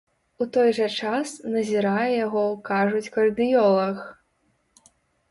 У той жа час, назірае яго, кажуць, кардыёлаг.